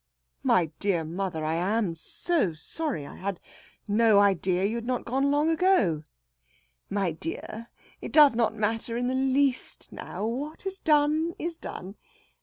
"My dear mother! I am so sorry. I had no idea you had not gone long ago!" "My dear! it does not matter in the least now. What is done, is done.